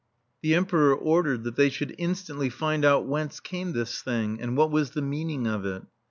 The Emperor ordered that they should instantly find out whence came this thing, and what was the meaning of it.